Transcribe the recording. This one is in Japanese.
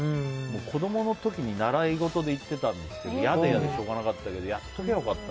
子供の時に習い事で行ってたんですけど嫌で嫌でしょうがなかったけど俺も。